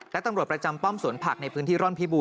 และตำรวจประจำป้อมสวนผักในพื้นที่ร่อนพิบูร